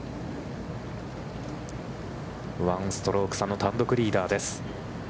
１ストローク差の単独リーダーです。